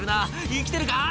「生きてるか？